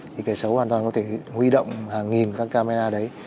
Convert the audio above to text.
thì kẻ xấu hoàn toàn có thể huy động hàng nghìn các camera đấy